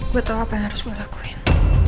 gue tau apa yang harus gue lakuin